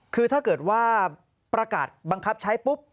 คือถ้าเกิดว่าประกาศบังคับใช้ปุ๊บ